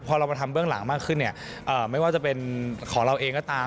พอเรามาทำเบื้องหลังมากขึ้นเนี่ยไม่ว่าจะเป็นของเราเองก็ตาม